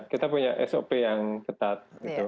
jadi ya sop yang ketat